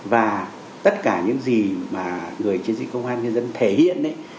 và tất cả những gì mà người chiến sĩ công an nhân dân thể hiện ấy